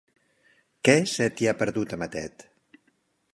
Què se t'hi ha perdut, a Matet?